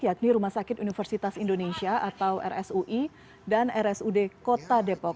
yakni rumah sakit universitas indonesia atau rsui dan rsud kota depok